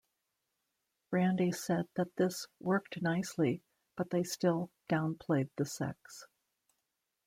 Brandy said that this "worked nicely", but they still "downplayed the sex".